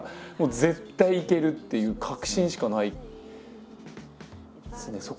もう「絶対いける」っていう確信しかないですね。